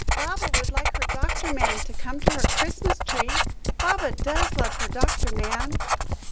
"Baba would like her doctor man to come to her Christmas tree; Baba does love her doctor man."